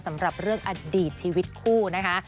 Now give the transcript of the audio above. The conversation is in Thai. สำหรับเรื่องอดีตชีวิตคู่นะคะ